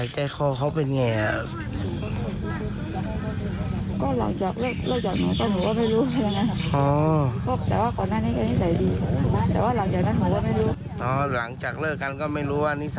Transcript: เจอกันครั้งล่าสุดเมื่อไหร่อ่ะพี่